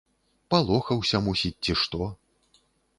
Палохаўся, мусіць, ці што.